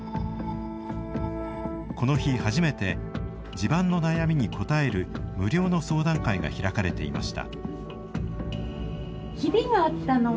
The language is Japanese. この日、初めて地盤の悩みに応える無料の相談会が開かれていました。